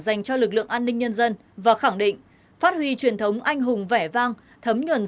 dành cho lực lượng an ninh nhân dân và khẳng định phát huy truyền thống anh hùng vẻ vang thấm nhuần